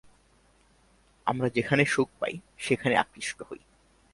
আমরা যেখানে সুখ পাই, সেখানেই আকৃষ্ট হই।